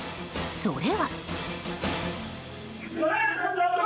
それは。